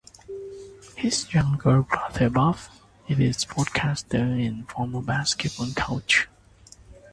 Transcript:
His younger brother, Bob, is a sportscaster and former basketball coach.